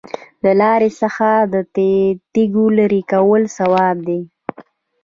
د لارې څخه د تیږې لرې کول ثواب دی.